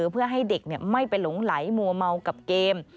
เพื่อให้เด็กไม่ไปหลงไหลมัวเมากับเกม